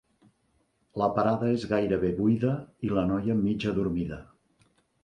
La parada és gairebé buida i la noia mig adormida.